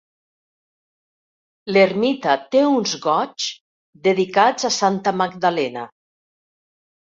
L'ermita té uns Goigs dedicats a Santa Magdalena.